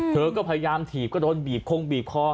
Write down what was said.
เธอก็พยายามถีบก็โดนบีบคงบีบคอ